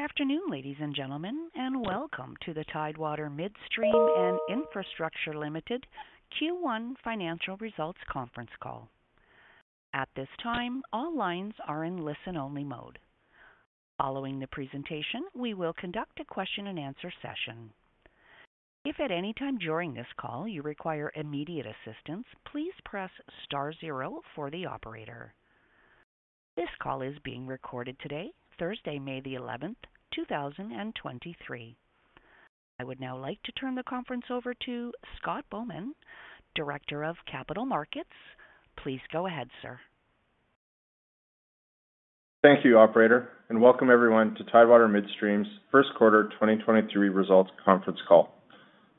Good afternoon, ladies and gentlemen, welcome to the Tidewater Midstream and Infrastructure Ltd. Q1 Financial Results Conference Call. At this time, all lines are in listen-only mode. Following the presentation, we will conduct a question-and-answer session. If at any time during this call you require immediate assistance, please press star zero for the operator. This call is being recorded today, Thursday, May 11th, 2023. I would now like to turn the conference over to Scott Bowman, Director of Capital Markets. Please go ahead, sir. Thank you, operator. Welcome everyone to Tidewater Midstream's first quarter 2023 results conference call.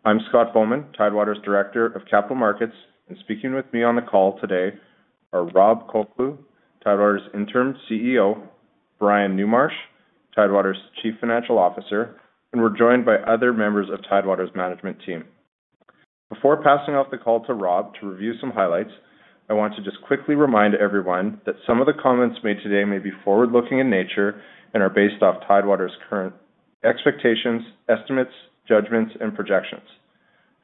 I'm Scott Bowman, Tidewater's Director of Capital Markets. Speaking with me on the call today are Rob Colcleugh, Tidewater's Interim CEO, Brian Newmarch, Tidewater's Chief Financial Officer. We're joined by other members of Tidewater's management team. Before passing off the call to Rob to review some highlights, I want to just quickly remind everyone that some of the comments made today may be forward-looking in nature and are based off Tidewater's current expectations, estimates, judgments, and projections.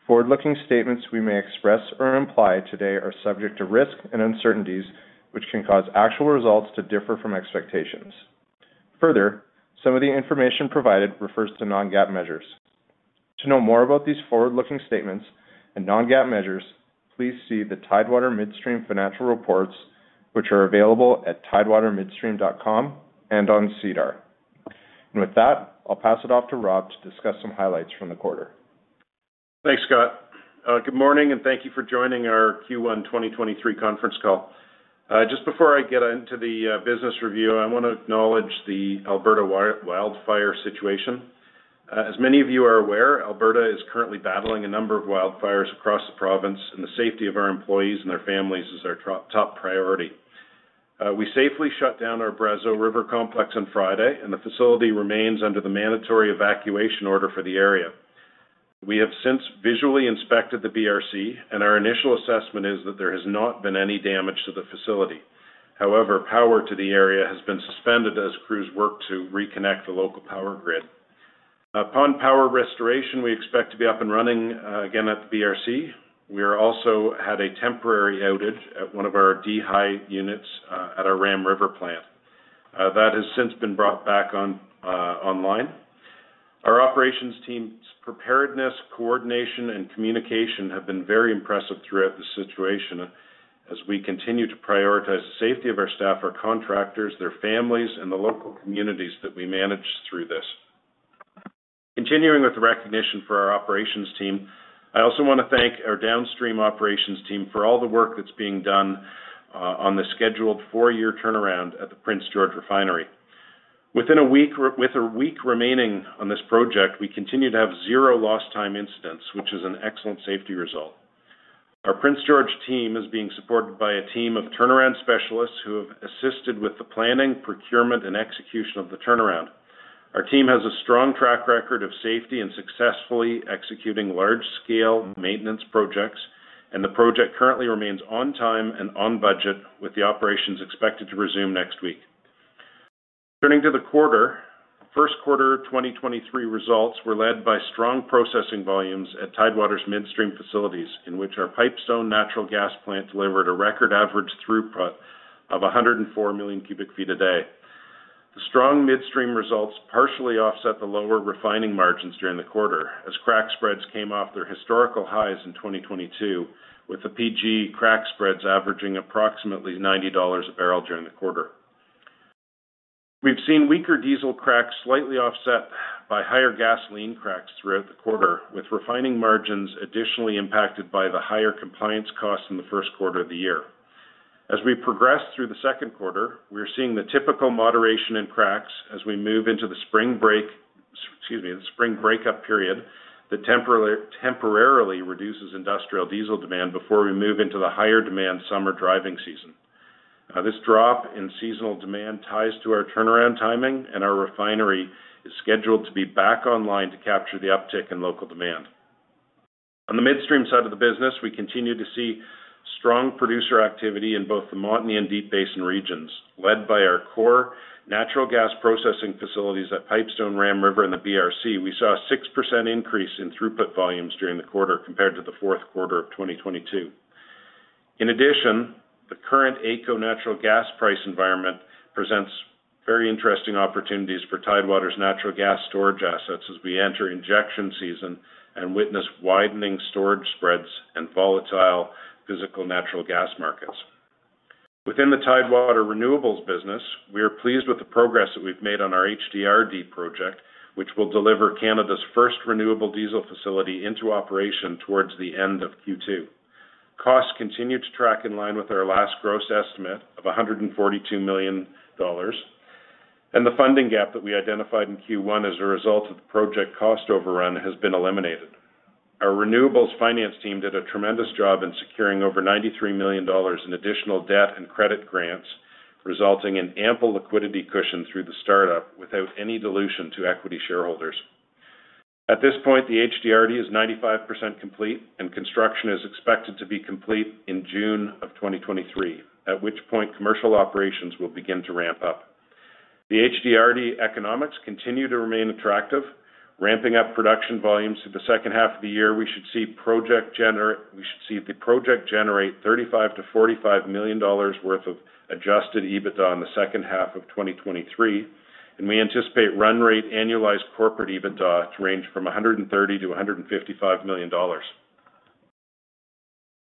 Forward-looking statements we may express or imply today are subject to risks and uncertainties, which can cause actual results to differ from expectations. Further, some of the information provided refers to non-GAAP measures. To know more about these forward-looking statements and non-GAAP measures, please see the Tidewater Midstream financial reports, which are available at tidewatermidstream.com and on SEDAR. I'll pass it off to Rob to discuss some highlights from the quarter. Thanks, Scott. Good morning, and thank you for joining our Q1 2023 conference call. Just before I get into the business review, I want to acknowledge the Alberta wildfire situation. As many of you are aware, Alberta is currently battling a number of wildfires across the province, and the safety of our employees and their families is our top priority. We safely shut down our Brazeau River Complex on Friday, and the facility remains under the mandatory evacuation order for the area. We have since visually inspected the BRC, and our initial assessment is that there has not been any damage to the facility. However, power to the area has been suspended as crews work to reconnect the local power grid. Upon power restoration, we expect to be up and running again at the BRC. We also had a temporary outage at one of our dehy units at our Ram River plant. That has since been brought back on online. Our operations team's preparedness, coordination, and communication have been very impressive throughout the situation as we continue to prioritize the safety of our staff, our contractors, their families, and the local communities that we manage through this. Continuing with the recognition for our operations team, I also wanna thank our downstream operations team for all the work that's being done on the scheduled four-year turnaround at the Prince George Refinery. Within a week with a week remaining on this project, we continue to have 0 lost time incidents, which is an excellent safety result. Our Prince George team is being supported by a team of turnaround specialists who have assisted with the planning, procurement, and execution of the turnaround. Our team has a strong track record of safety and successfully executing large-scale maintenance projects. The project currently remains on time and on budget, with the operations expected to resume next week. Turning to the quarter, first quarter 2023 results were led by strong processing volumes at Tidewater's midstream facilities, in which our Pipestone natural gas plant delivered a record average throughput of 104 million cubic feet a day. The strong midstream results partially offset the lower refining margins during the quarter as crack spreads came off their historical highs in 2022, with the PGR crack spreads averaging approximately $90 a barrel during the quarter. We've seen weaker diesel cracks slightly offset by higher gasoline cracks throughout the quarter, with refining margins additionally impacted by the higher compliance costs in the first quarter of the year. As we progress through the second quarter, we're seeing the typical moderation in cracks as we move into the spring break... excuse me, the spring breakup period that temporarily reduces industrial diesel demand before we move into the higher demand summer driving season. This drop in seasonal demand ties to our turnaround timing, and our refinery is scheduled to be back online to capture the uptick in local demand. On the midstream side of the business, we continue to see strong producer activity in both the Montney and Deep Basin regions. Led by our core natural gas processing facilities at Pipestone, Ram River, and the BRC, we saw a 6% increase in throughput volumes during the quarter compared to the fourth quarter of 2022. The current AECO natural gas price environment presents very interesting opportunities for Tidewater's natural gas storage assets as we enter injection season and witness widening storage spreads and volatile physical natural gas markets. Within the Tidewater renewables business, we are pleased with the progress that we've made on our HDRD project, which will deliver Canada's first renewable diesel facility into operation towards the end of Q2. Costs continue to track in line with our last gross estimate of 142 million dollars, and the funding gap that we identified in Q1 as a result of the project cost overrun has been eliminated. Our renewables finance team did a tremendous job in securing over 93 million dollars in additional debt and credit grants, resulting in ample liquidity cushion through the start-up without any dilution to equity shareholders. At this point, the HDRD is 95% complete and construction is expected to be complete in June of 2023, at which point commercial operations will begin to ramp up. The HDRD economics continue to remain attractive, ramping up production volumes to the second half of the year. We should see the project generate 35 million-45 million dollars worth of adjusted EBITDA in the second half of 2023, and we anticipate run rate annualized corporate EBITDA to range from 130 million-155 million dollars.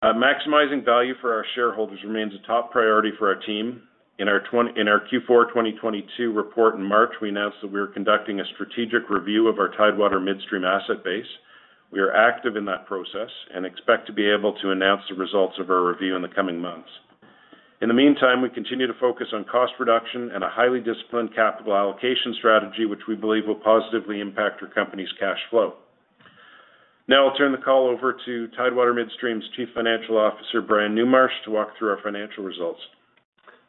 Maximizing value for our shareholders remains a top priority for our team. In our Q4 2022 report in March, we announced that we are conducting a strategic review of our Tidewater Midstream asset base. We are active in that process and expect to be able to announce the results of our review in the coming months. In the meantime, we continue to focus on cost reduction and a highly disciplined capital allocation strategy, which we believe will positively impact our company's cash flow. Now I'll turn the call over to Tidewater Midstream's Chief Financial Officer, Brian Newmarch, to walk through our financial results.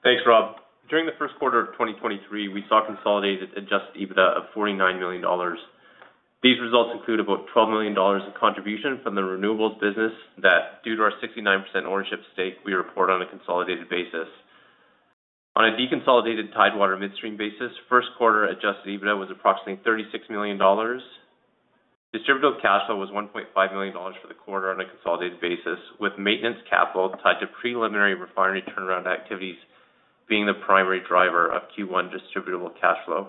Thanks, Rob. During the first quarter of 2023, we saw consolidated adjusted EBITDA of 49 million dollars. These results include about 12 million dollars in contribution from the renewables business that, due to our 69% ownership stake, we report on a consolidated basis. On a deconsolidated Tidewater Midstream basis, first quarter adjusted EBITDA was approximately 36 million dollars. Distributable cash flow was 1.5 million dollars for the quarter on a consolidated basis, with maintenance capital tied to preliminary refinery turnaround activities being the primary driver of Q1 distributable cash flow.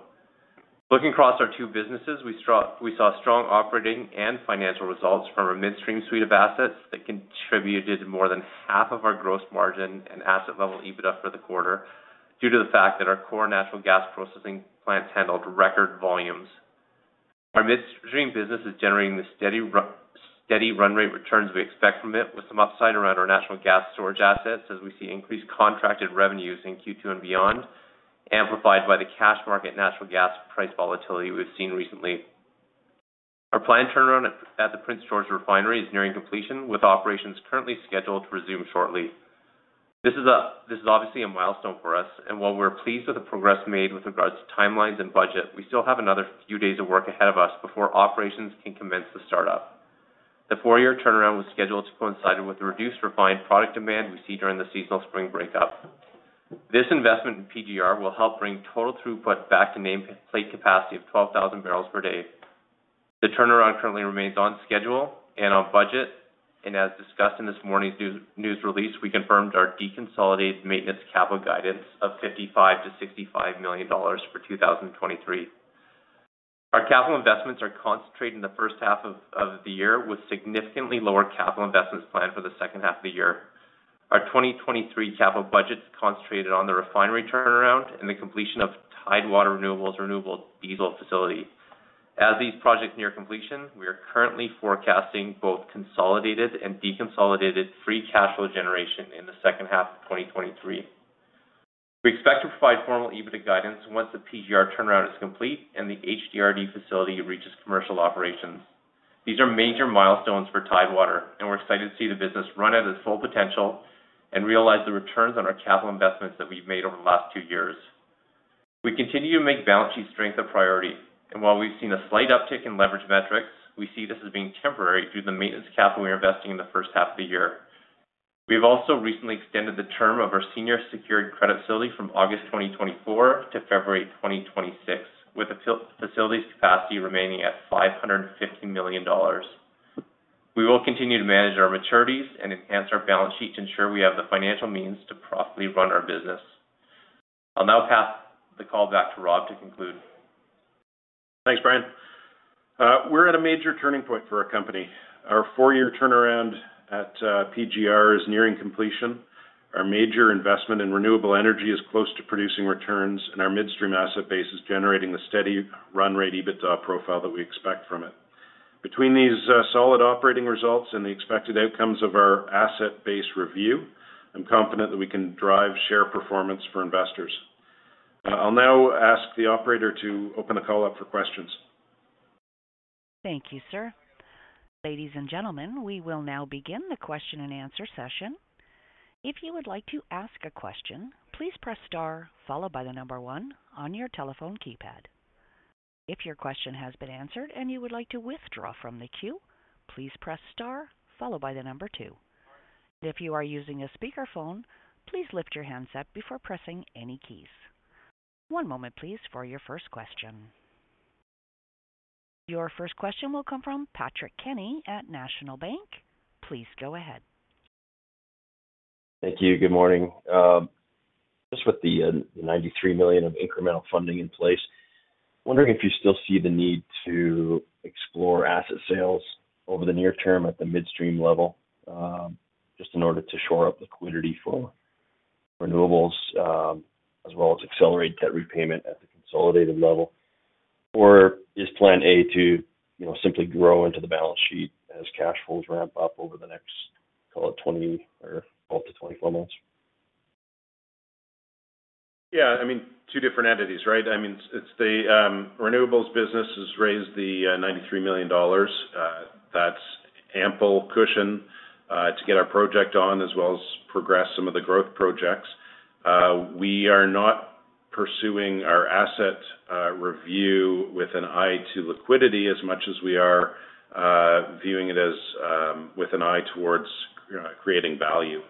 Looking across our two businesses, we saw strong operating and financial results from our midstream suite of assets that contributed more than half of our gross margin and asset level EBITDA for the quarter due to the fact that our core natural gas processing plants handled record volumes. Our midstream business is generating the steady run rate returns we expect from it, with some upside around our natural gas storage assets as we see increased contracted revenues in Q2 and beyond, amplified by the cash market natural gas price volatility we've seen recently. Our planned turnaround at the Prince George Refinery is nearing completion, with operations currently scheduled to resume shortly. This is obviously a milestone for us, and while we're pleased with the progress made with regards to timelines and budget, we still have another few days of work ahead of us before operations can commence the startup. The four-year turnaround was scheduled to coincide with the reduced refined product demand we see during the seasonal spring breakup. This investment in PGR will help bring total throughput back to nameplate capacity of 12,000 barrels per day. The turnaround currently remains on schedule and on budget. As discussed in this morning's news release, we confirmed our deconsolidated maintenance capital guidance of 55 million-65 million dollars for 2023. Our capital investments are concentrated in the first half of the year, with significantly lower capital investments planned for the second half of the year. Our 2023 capital budget is concentrated on the refinery turnaround and the completion of Tidewater Renewables renewable diesel facility. As these projects near completion, we are currently forecasting both consolidated and deconsolidated free cash flow generation in the second half of 2023. We expect to provide formal EBITDA guidance once the PGR turnaround is complete and the HDRD facility reaches commercial operations. These are major milestones for Tidewater, and we're excited to see the business run at its full potential and realize the returns on our capital investments that we've made over the last two years. We continue to make balance sheet strength a priority, and while we've seen a slight uptick in leverage metrics, we see this as being temporary due to the maintenance capital we are investing in the first half of the year. We have also recently extended the term of our senior secured credit facility from August 2024 to February 2026, with the facility's capacity remaining at 550 million dollars. We will continue to manage our maturities and enhance our balance sheet to ensure we have the financial means to profitably run our business. I'll now pass the call back to Rob to conclude. Thanks, Brian. We're at a major turning point for our company. Our four-year turnaround at PGR is nearing completion. Our major investment in renewable energy is close to producing returns, and our midstream asset base is generating the steady run rate EBITDA profile that we expect from it. Between these solid operating results and the expected outcomes of our asset-based review, I'm confident that we can drive share performance for investors. I'll now ask the operator to open the call up for questions. Thank you, sir. Ladies and gentlemen, we will now begin the question and answer session. If you would like to ask a question, please press star followed by the number 1 on your telephone keypad. If your question has been answered and you would like to withdraw from the queue, please press star followed by the number 2. If you are using a speakerphone, please lift your handset before pressing any keys. One moment please for your first question. Your first question will come from Patrick Kenny at National Bank. Please go ahead. Thank you. Good morning. Just with the 93 million of incremental funding in place, wondering if you still see the need to explore asset sales over the near term at the midstream level, just in order to shore up liquidity for renewables, as well as accelerate debt repayment at the consolidated level. Or is plan A to, you know, simply grow into the balance sheet as cash flows ramp up over the next, call it 20 or 12 to 24 months? Yeah, I mean, two different entities, right? I mean, it's the renewables business has raised the 93 million dollars. Ample cushion to get our project on as well as progress some of the growth projects. We are not pursuing our asset review with an eye to liquidity as much as we are viewing it as with an eye towards creating value.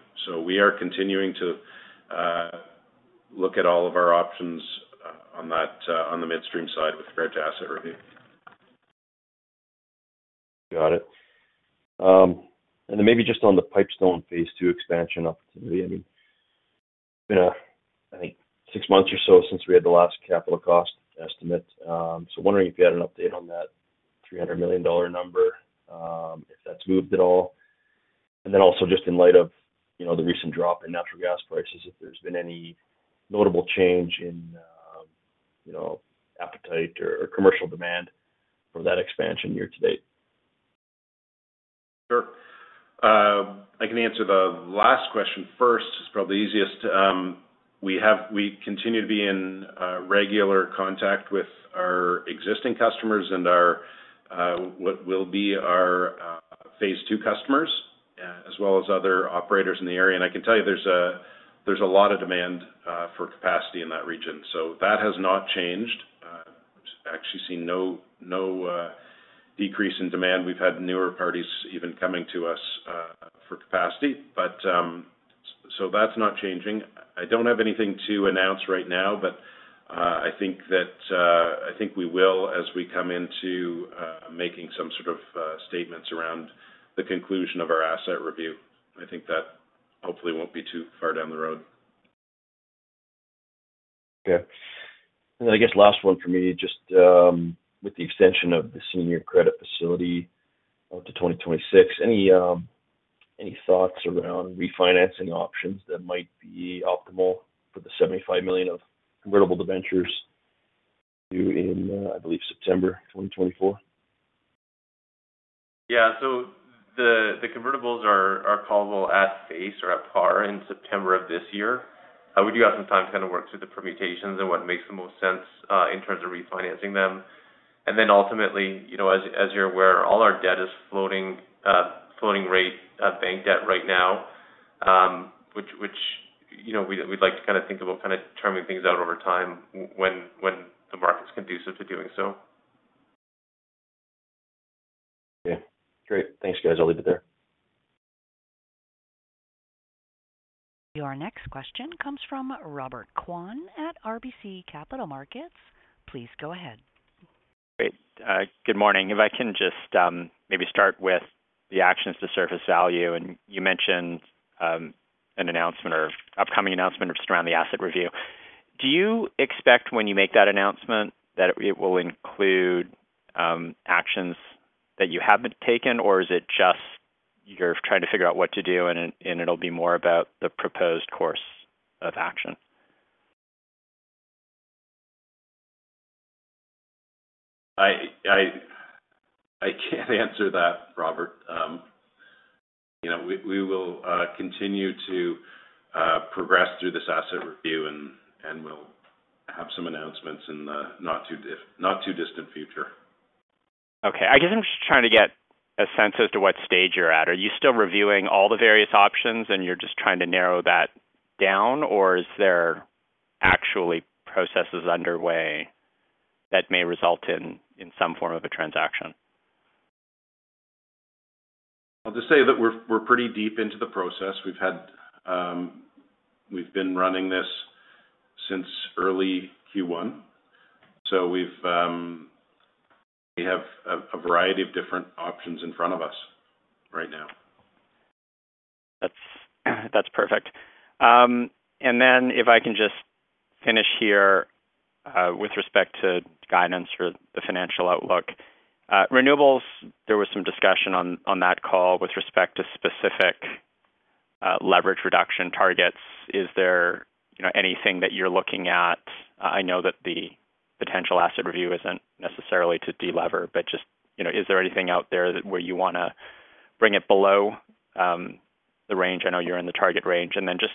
We are continuing to look at all of our options on that on the midstream side with regard to asset review. Got it. Maybe just on the Pipestone phase two expansion opportunity. I mean, been, I think six months or so since we had the last capital cost estimate. Wondering if you had an update on that 300 million dollar number, if that's moved at all. Also just in light of, you know, the recent drop in natural gas prices, if there's been any notable change in, you know, appetite or commercial demand for that expansion year to date. Sure. I can answer the last question first. It's probably the easiest. We continue to be in regular contact with our existing customers and our what will be our phase two customers as well as other operators in the area. I can tell you, there's a lot of demand for capacity in that region. That has not changed. We've actually seen no decrease in demand. We've had newer parties even coming to us for capacity. So that's not changing. I don't have anything to announce right now, but I think that I think we will as we come into making some sort of statements around the conclusion of our asset review. I think that hopefully won't be too far down the road. Okay. I guess last one for me, just, with the extension of the senior credit facility out to 2026, any thoughts around refinancing options that might be optimal for the 75 million of convertible debentures due in, I believe September 2024? The convertibles are callable at face or at par in September of this year. We do have some time to kinda work through the permutations and what makes the most sense in terms of refinancing them. Ultimately, you know, as you're aware, all our debt is floating rate bank debt right now, which, you know, we'd like to kinda think about kinda terming things out over time when the market's conducive to doing so. Okay. Great. Thanks, guys. I'll leave it there. Your next question comes from Robert Kwan at RBC Capital Markets. Please go ahead. Great. Good morning. If I can just maybe start with the actions to surface value, you mentioned an announcement or upcoming announcement just around the asset review. Do you expect when you make that announcement that it will include actions that you haven't taken, or is it just you're trying to figure out what to do and it'll be more about the proposed course of action? I can't answer that, Robert. You know, we will continue to progress through this asset review, and we'll have some announcements in the not too distant future. Okay. I guess I'm just trying to get a sense as to what stage you're at. Are you still reviewing all the various options and you're just trying to narrow that down, or is there actually processes underway that may result in some form of a transaction? I'll just say that we're pretty deep into the process. We've had. We've been running this since early Q1. We have a variety of different options in front of us right now. That's perfect. Then if I can just finish here, with respect to guidance for the financial outlook. Renewables, there was some discussion on that call with respect to specific leverage reduction targets. Is there, you know, anything that you're looking at? I know that the potential asset review isn't necessarily to delever, but just, you know, is there anything out there that where you wanna bring it below the range? I know you're in the target range. Then just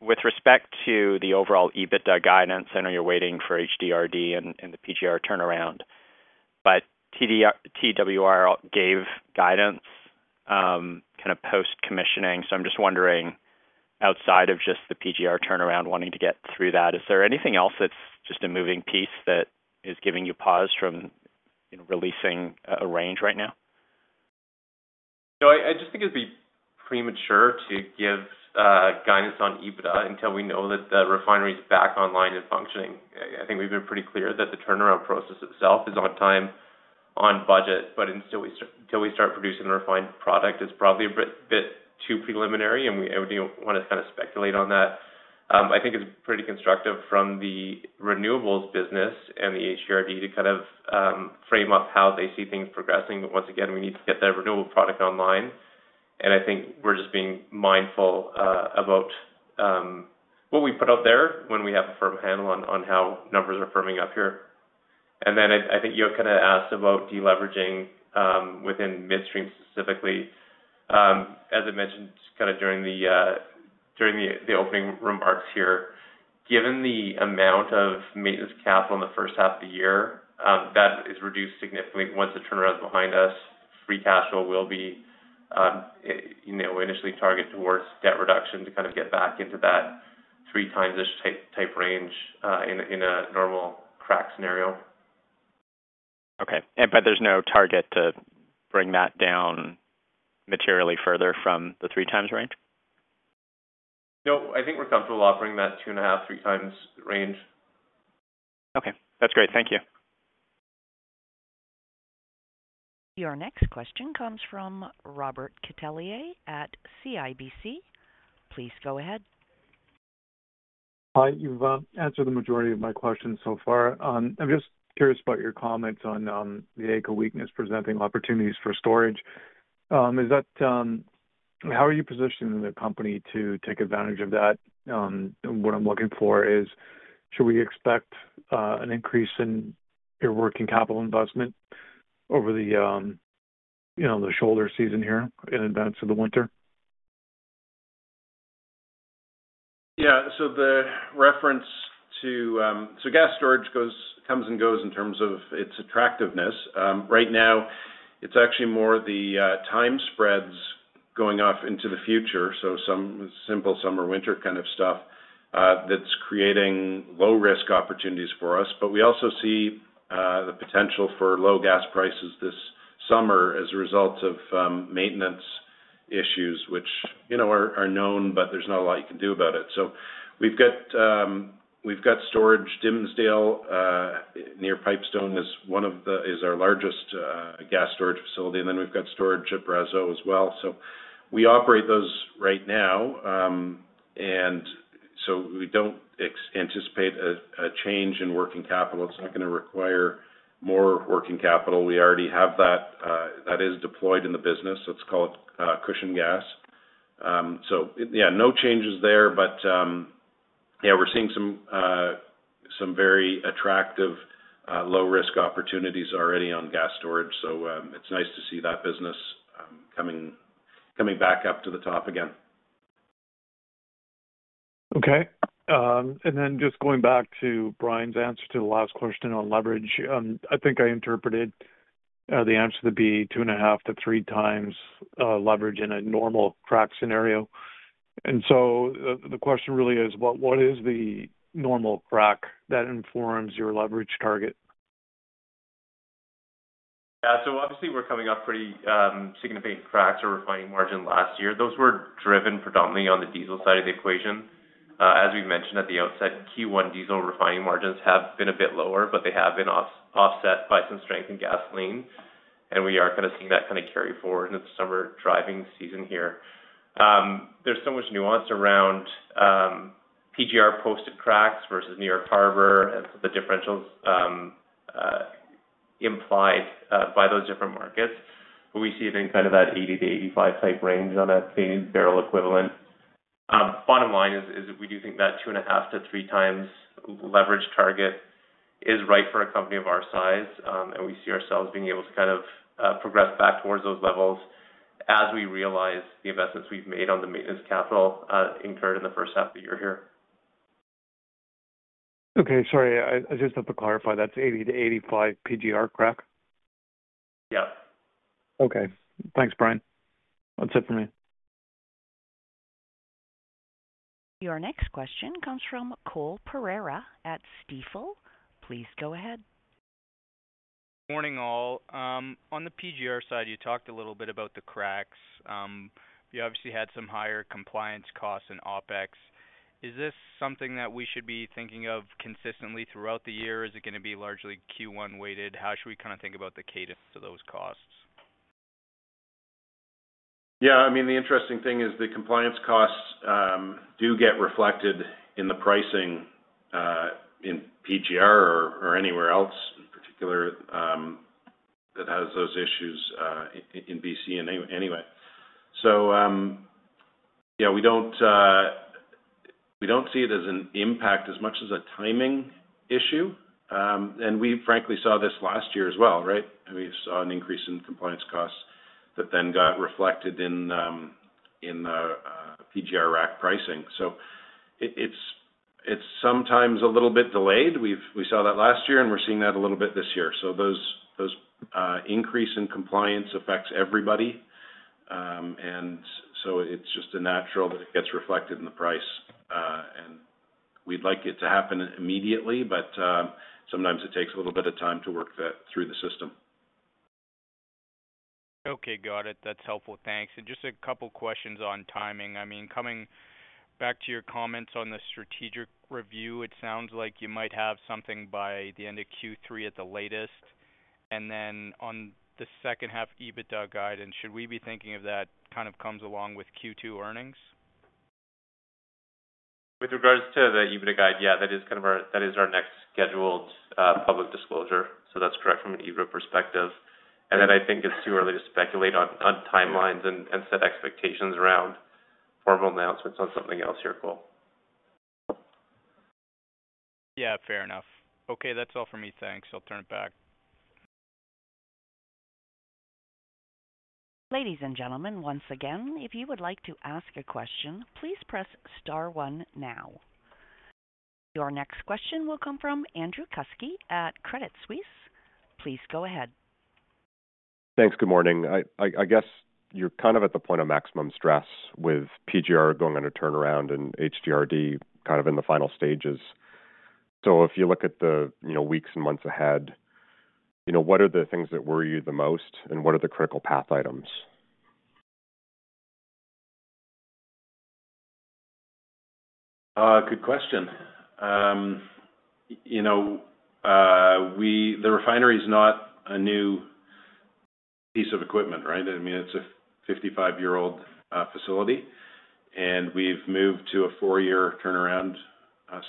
with respect to the overall EBITDA guidance, I know you're waiting for HDRD and the PGR turnaround, but TWM gave guidance kind of post-commissioning. I'm just wondering, outside of just the PGR turnaround, wanting to get through that, is there anything else that's just a moving piece that is giving you pause from, you know, releasing a range right now? No. I just think it'd be premature to give guidance on EBITDA until we know that the refinery's back online and functioning. I think we've been pretty clear that the turnaround process itself is on time, on budget, but until we start producing refined product is probably a bit too preliminary, and we wouldn't want to kinda speculate on that. I think it's pretty constructive from the renewables business and the HDRD to kind of frame up how they see things progressing. Once again, we need to get that renewable product online. I think we're just being mindful about what we put out there when we have a firm handle on how numbers are firming up here. I think you kind of asked about deleveraging within midstream specifically. As I mentioned kind of during the, during the opening remarks here Given the amount of maintenance capital in the first half of the year, that is reduced significantly once the turnaround is behind us. Free cash flow will be, you know, initially targeted towards debt reduction to kind of get back into that three times-ish type range, in a normal crack scenario. Okay. There's no target to bring that down materially further from the three times range? No, I think we're comfortable operating that 2.5x-3x range. Okay. That's great. Thank you. Your next question comes from Robert Catellier at CIBC. Please go ahead. Hi. You've answered the majority of my questions so far. I'm just curious about your comments on the AECO weakness presenting opportunities for storage. How are you positioning the company to take advantage of that? What I'm looking for is, should we expect an increase in your working capital investment over the, you know, the shoulder season here in advance of the winter? Yeah. The reference to gas storage goes, comes and goes in terms of its attractiveness. Right now it's actually more the time spreads going off into the future. Some simple summer/winter kind of stuff that's creating low risk opportunities for us. We also see the potential for low gas prices this summer as a result of maintenance issues which, you know, are known, but there's not a lot you can do about it. We've got storage. Dimsdale, near Pipestone is our largest gas storage facility. We've got storage at Brazeau as well. We operate those right now. We don't anticipate a change in working capital. It's not gonna require more working capital. We already have that. That is deployed in the business. It's called cushion gas. Yeah, no changes there. Yeah, we're seeing some very attractive low risk opportunities already on gas storage. It's nice to see that business coming back up to the top again. Just going back to Brian's answer to the last question on leverage. I think I interpreted the answer to be 2.5-3x leverage in a normal crack scenario. The question really is, what is the normal crack that informs your leverage target? Yeah. Obviously we're coming off pretty significant cracks or refining margin last year. Those were driven predominantly on the diesel side of the equation. As we mentioned at the outset, Q1 diesel refining margins have been a bit lower, but they have been offset by some strength in gasoline, and we are kind of seeing that kind of carry forward into the summer driving season here. There's so much nuance around PGR posted cracks versus New York Harbor and the differentials implied by those different markets. We see it in kind of that 80-85 type range on a billion barrel equivalent. Bottom line is we do think that 2.5-3 times leverage target is right for a company of our size. We see ourselves being able to kind of, progress back towards those levels as we realize the investments we've made on the maintenance capital, incurred in the first half of the year here. Okay. Sorry, I just have to clarify, that's 80-85 PGR crack? Yeah. Okay. Thanks, Brian. That's it for me. Your next question comes from Cole Pereira at Stifel. Please go ahead. Morning, all. On the PGR side, you talked a little bit about the cracks. You obviously had some higher compliance costs and OpEx. Is this something that we should be thinking of consistently throughout the year? Is it going to be largely Q1 weighted? How should we kind of think about the cadence of those costs? Yeah, I mean, the interesting thing is the compliance costs do get reflected in the pricing in PGR or anywhere else in particular that has those issues in BC anyway. Yeah, we don't see it as an impact as much as a timing issue. We frankly saw this last year as well, right? I mean, we saw an increase in compliance costs that then got reflected in the PGR rack pricing. It's sometimes a little bit delayed. We saw that last year, and we're seeing that a little bit this year. Those increase in compliance affects everybody. It's just a natural that it gets reflected in the price. We'd like it to happen immediately, but sometimes it takes a little bit of time to work that through the system. Okay, got it. That's helpful. Thanks. Just a couple of questions on timing. I mean, coming back to your comments on the strategic review, it sounds like you might have something by the end of Q3 at the latest. On the second half EBITDA guidance, should we be thinking of that kind of comes along with Q2 earnings? With regards to the EBITDA guide, yeah, that is our next scheduled public disclosure. That's correct from an EBITDA perspective. I think it's too early to speculate on timelines and set expectations around formal announcements on something else here, Cole. Yeah, fair enough. Okay, that's all for me. Thanks. I'll turn it back. Ladies and gentlemen, once again, if you would like to ask a question, please press star one now. Your next question will come from Andrew Kuske at Credit Suisse. Please go ahead. Thanks. Good morning. I guess you're kind of at the point of maximum stress with PGR going on a turnaround and HDRD kind of in the final stages. If you look at the, you know, weeks and months ahead, you know, what are the things that worry you the most and what are the critical path items? Good question. You know, the refinery is not a new piece of equipment, right? I mean, it's a 55-year-old facility, and we've moved to a four-year turnaround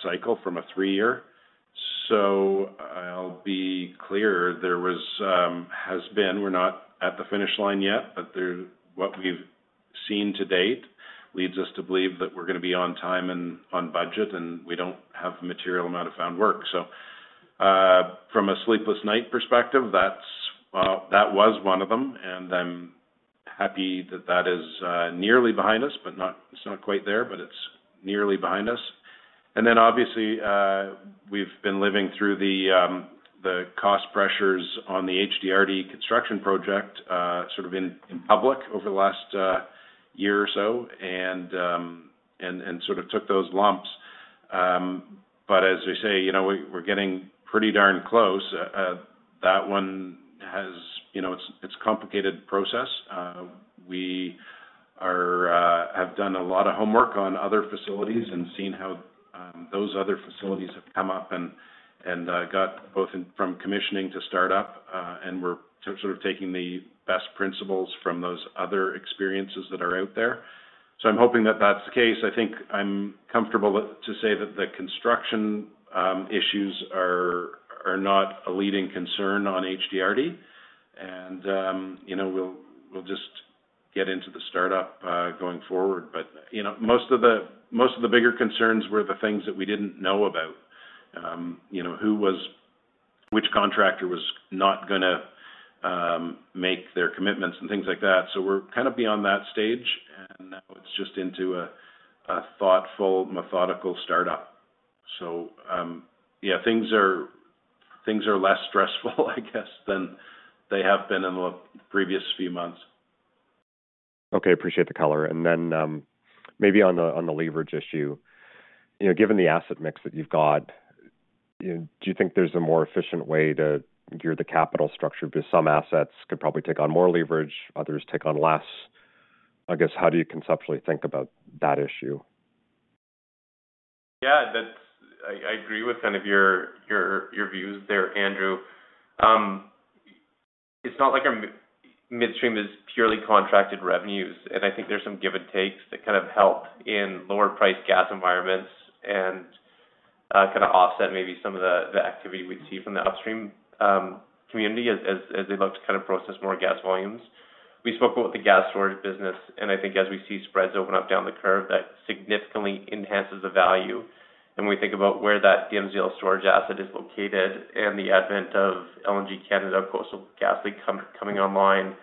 cycle from a three-year. I'll be clear, there was, has been, we're not at the finish line yet, but what we've seen to date leads us to believe that we're gonna be on time and on budget, and we don't have a material amount of found work. From a sleepless night perspective, that's that was one of them. I'm happy that that is nearly behind us, but not, it's not quite there, but it's nearly behind us. Obviously, we've been living through the cost pressures on the HDRD construction project, sort of in public over the last year or so and sort of took those lumps. As we say, you know, we're getting pretty darn close. You know, it's a complicated process. We are have done a lot of homework on other facilities and seen how those other facilities have come up and got both from commissioning to start up, and we're sort of taking the best principles from those other experiences that are out there. I'm hoping that that's the case. I think I'm comfortable to say that the construction issues are not a leading concern on HDRD. You know, we'll just get into the startup going forward. You know, most of the bigger concerns were the things that we didn't know about. You know, Which contractor was not gonna make their commitments and things like that. We're kind of beyond that stage, and now it's just into a thoughtful, methodical startup. Yeah, things are less stressful, I guess, than they have been in the previous few months. Okay. Appreciate the color. Maybe on the, on the leverage issue. You know, given the asset mix that you've got, you know, do you think there's a more efficient way to gear the capital structure? Because some assets could probably take on more leverage, others take on less. I guess, how do you conceptually think about that issue? Yeah, that's. I agree with kind of your views there, Andrew Kuske. It's not like our midstream is purely contracted revenues, I think there's some give and takes that kind of help in lower priced gas environments and kinda offset maybe some of the activity we'd see from the upstream community as they look to kind of process more gas volumes. We spoke about the gas storage business, I think as we see spreads open up down the curve, that significantly enhances the value. We think about where that Dim storage asset is located and the advent of LNG Canada Coastal GasLink coming online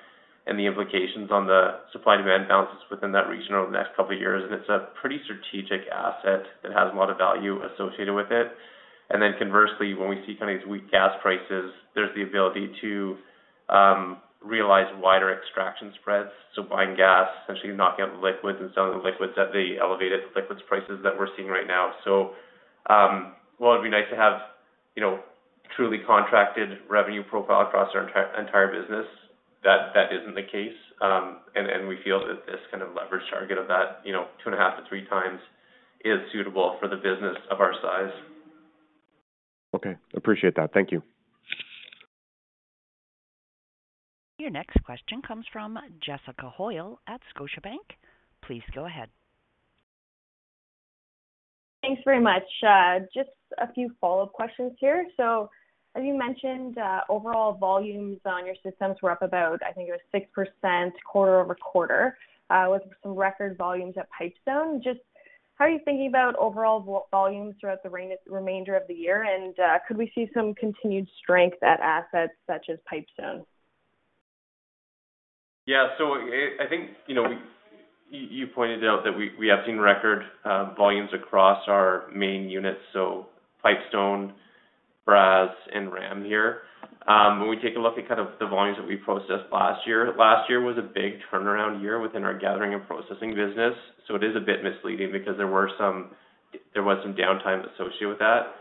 and the implications on the supply/demand balances within that region over the next couple of years. It's a pretty strategic asset that has a lot of value associated with it. Conversely, when we see kind of these weak gas prices, there's the ability to realize wider fractionation spreads. Buying gas, essentially knocking out the liquids and selling the liquids at the elevated liquids prices that we're seeing right now. While it'd be nice to have, you know, truly contracted revenue profile across our entire business, that isn't the case. We feel that this kind of leverage target of that, you know, 2.5x-3x is suitable for the business of our size. Okay. Appreciate that. Thank you. Your next question comes from Jessica Hoyle at Scotiabank. Please go ahead. Thanks very much. Just a few follow-up questions here. As you mentioned, overall volumes on your systems were up about, I think it was 6% quarter-over-quarter, with some record volumes at Pipestone. Just how are you thinking about overall volumes throughout the remainder of the year? Could we see some continued strength at assets such as Pipestone? Yeah. I think, you know, you pointed out that we have seen record volumes across our main units, Pipestone, Brazeau, and Ram here. When we take a look at kind of the volumes that we processed last year, last year was a big turnaround year within our gathering and processing business. It is a bit misleading because there were some, there was some downtime associated with that.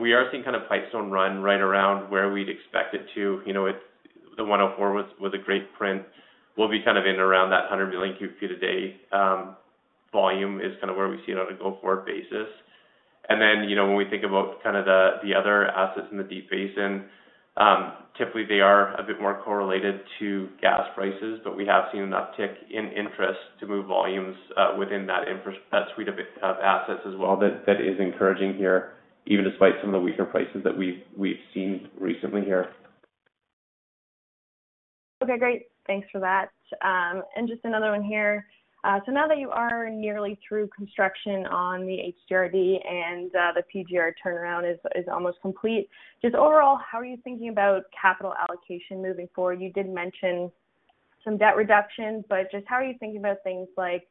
We are seeing kind of Pipestone run right around where we'd expect it to. You know, the 104 with a great print will be kind of in around that 100 million cubic feet a day volume is kinda where we see it on a go-forward basis. You know, when we think about kind of the other assets in the Deep Basin, typically they are a bit more correlated to gas prices, but we have seen an uptick in interest to move volumes within that suite of assets as well. That is encouraging here, even despite some of the weaker prices that we've seen recently here. Okay, great. Thanks for that. Just another one here. Now that you are nearly through construction on the HDRD and the PGR turnaround is almost complete, just overall, how are you thinking about capital allocation moving forward? You did mention some debt reduction. Just how are you thinking about things like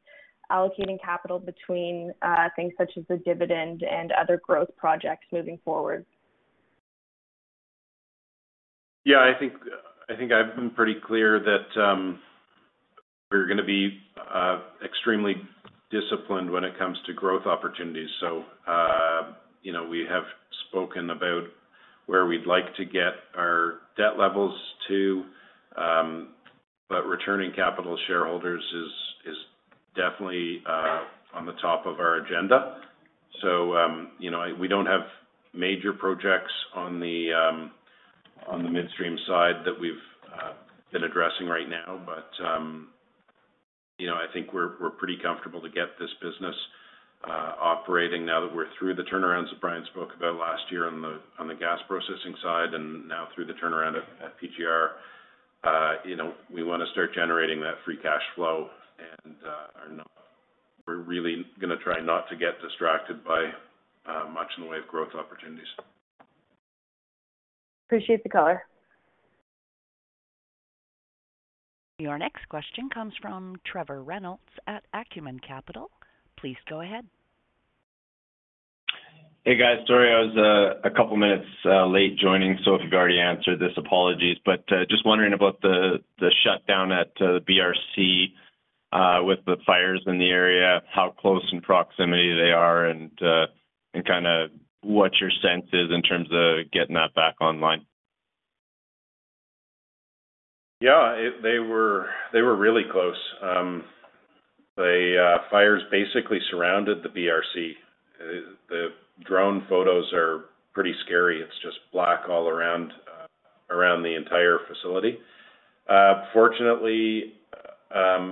allocating capital between things such as the dividend and other growth projects moving forward? Yeah, I think I've been pretty clear that we're gonna be extremely disciplined when it comes to growth opportunities. You know, we have spoken about where we'd like to get our debt levels to. Returning capital to shareholders is definitely on the top of our agenda. You know, we don't have major projects on the midstream side that we've been addressing right now. You know, I think we're pretty comfortable to get this business operating now that we're through the turnarounds that Brian spoke about last year on the gas processing side and now through the turnaround at PGR. You know, we wanna start generating that free cash flow and are not... We're really gonna try not to get distracted by much in the way of growth opportunities. Appreciate the color. Your next question comes from Trevor Reynolds at Acumen Capital. Please go ahead. Hey, guys. Sorry I was a couple minutes late joining. If you've already answered this, apologies. Just wondering about the shutdown at BRC with the fires in the area, how close in proximity they are, and kinda what your sense is in terms of getting that back online? Yeah, they were really close. The fires basically surrounded the BRC. The drone photos are pretty scary. It's just black all around the entire facility. Fortunately,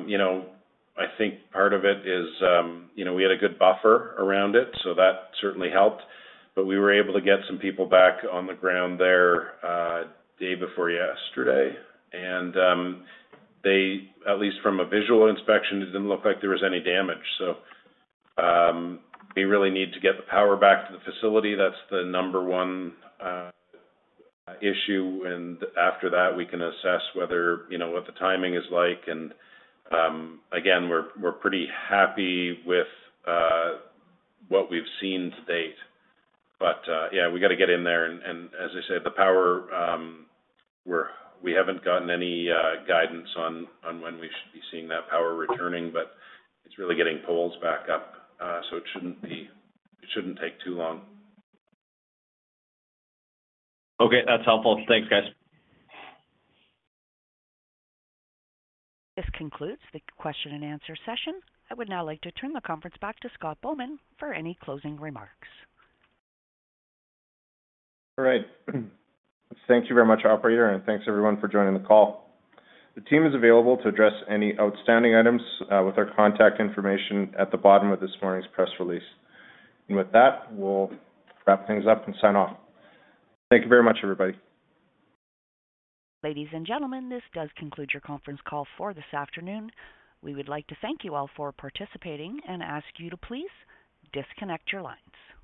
you know, I think part of it is, you know, we had a good buffer around it, so that certainly helped. We were able to get some people back on the ground there, day before yesterday. They, at least from a visual inspection, it didn't look like there was any damage. We really need to get the power back to the facility. That's the number 1 issue. After that, we can assess whether, you know, what the timing is like. Again, we're pretty happy with what we've seen to date. Yeah, we gotta get in there and, as I said, the power, we haven't gotten any guidance on when we should be seeing that power returning, but it's really getting poles back up. It shouldn't take too long. Okay, that's helpful. Thanks, guys. This concludes the question and answer session. I would now like to turn the conference back to Scott Bowman for any closing remarks. All right. Thank you very much, operator, and thanks everyone for joining the call. The team is available to address any outstanding items, with our contact information at the bottom of this morning's press release. With that, we'll wrap things up and sign off. Thank you very much, everybody. Ladies and gentlemen, this does conclude your conference call for this afternoon. We would like to thank you all for participating and ask you to please disconnect your lines.